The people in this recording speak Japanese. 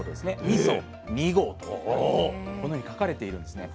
みそ二合とこのように書かれているんですね。